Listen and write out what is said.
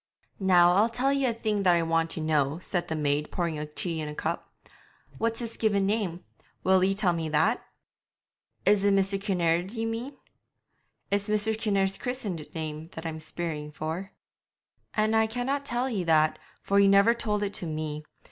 'Now I'll tell ye a thing that I want to know,' said the maid, pouring tea in a cup. 'What's his given name? Will ye tell me that?' 'Is it Mr. Kinnaird ye mean?' 'It's Mr. Kinnaird's christened name that I'm speering for.' 'An' I canna tell ye that, for he never told it to me.